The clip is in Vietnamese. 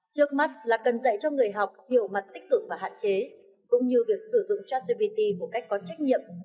trước mắt là cần dạy cho người học hiểu mặt tích cực và hạn chế cũng như việc sử dụng chatgpt một cách có trách nhiệm